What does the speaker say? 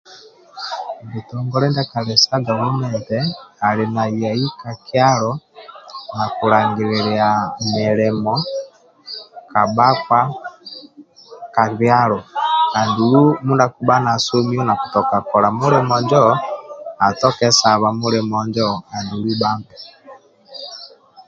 bhitongole ndia kali sa gavumenti ali na yai ka kyalo nakulangililya milimo ka bakpa ka byalo andulu mindia kiba nasomiyo nakituka kola mulimo injo atoke saba mulimo njo andulu bampe